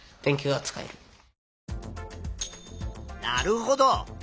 なるほど。